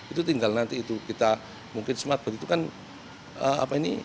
itu tinggal nanti itu kita mungkin smartboard itu kan apa ini